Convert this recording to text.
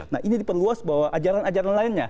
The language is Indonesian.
nah ini diperluas bahwa ajaran ajaran lainnya